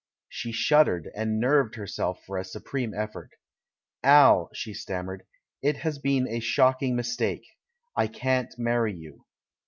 She shuddered, and nerved herself for a su preme effort. "Al!" she stammered, "it has been a shocking mistake; I can't marry you."